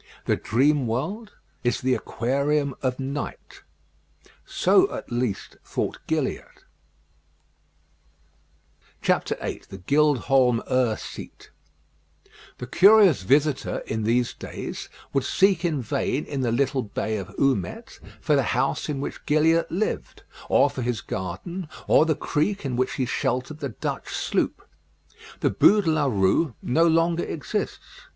The dream world is the Aquarium of Night. So, at least, thought Gilliatt. VIII THE GILD HOLM 'UR SEAT The curious visitor, in these days, would seek in vain in the little bay of Houmet for the house in which Gilliatt lived, or for his garden, or the creek in which he sheltered the Dutch sloop. The Bû de la Rue no longer exists.